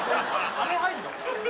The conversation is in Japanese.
あれ入んの？